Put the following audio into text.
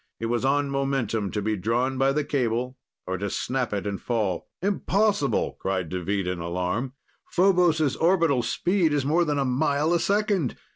It was on momentum to be drawn by the cable, or to snap it and fall. "Impossible!" cried Deveet in alarm. "Phobos' orbital speed is more than a mile a second!